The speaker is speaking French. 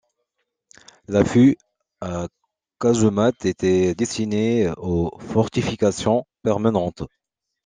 L’affût à casemate était destiné aux fortifications permanentes.